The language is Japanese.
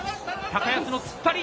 高安の突っ張り。